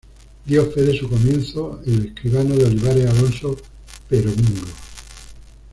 Dio fe de su comienzo el escribano de Olivares Alonso Pero Mingo.